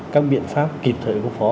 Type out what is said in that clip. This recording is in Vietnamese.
các biện pháp kịp thời công phó